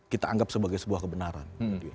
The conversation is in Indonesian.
kita anggap sebagai sebuah kebenaran